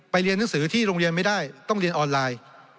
เรียนหนังสือที่โรงเรียนไม่ได้ต้องเรียนออนไลน์